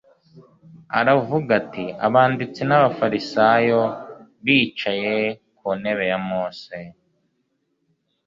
Aravuga ati: «Abanditsi n'abafarisayo bicaye ku ntebe ya Mose.